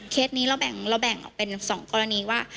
นี้เราแบ่งออกเป็น๒กรณีว่า